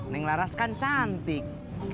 neng laras kan cantik